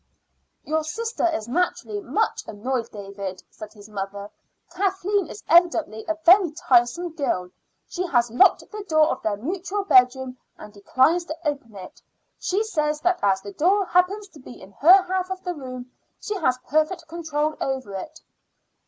"Your sister is naturally much annoyed, David," said his mother. "Kathleen is evidently a very tiresome girl. She has locked the door of their mutual bedroom, and declines to open it; she says that as the door happens to be in her half of the room, she has perfect control over it."